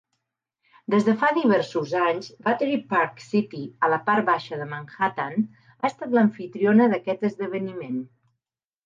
Des de fa diversos anys, Battery Park City, a la part baixa de Manhattan, ha estat l'amfitriona d'aquest esdeveniment.